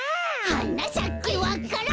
「はなさけわか蘭」